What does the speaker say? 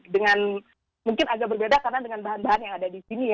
dengan mungkin agak berbeda karena dengan bahan bahan yang ada di sini ya